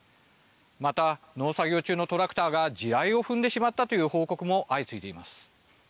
また、農作業中のトラクターが地雷を踏んでしまったという報告も相次いでいます。